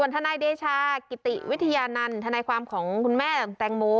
ทนายความของคุณแม่ตังโม